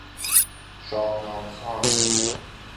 شاهنامه خوان